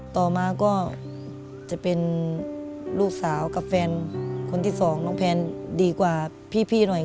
ต่อมาก็จะเป็นลูกสาวกับแฟนคนที่สองน้องแพนดีกว่าพี่หน่อย